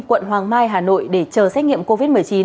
quận hoàng mai hà nội để chờ xét nghiệm covid một mươi chín